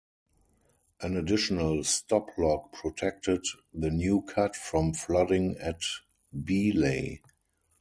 An additional stop lock protected the new cut from flooding at Beeleigh.